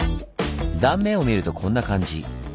断面を見るとこんな感じ。